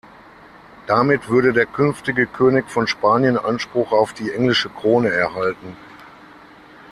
Damit würde der künftige König von Spanien Anspruch auf die englische Krone erhalten.